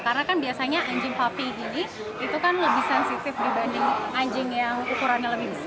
karena kan biasanya anjing puppy gini itu kan lebih sensitif dibanding anjing yang ukurannya lebih besar